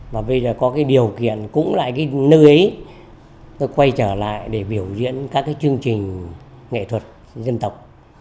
và bây giờ có cái điều kiện cũng lại cái nơi ấy nó quay trở lại để biểu diễn các cái chương trình nghệ thuật dân tộc